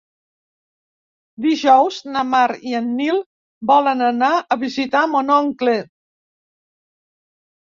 Dijous na Mar i en Nil volen anar a visitar mon oncle.